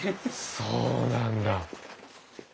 そうなんだ。